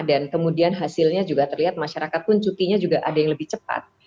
dan kemudian hasilnya juga terlihat masyarakat pun cutinya juga ada yang lebih cepat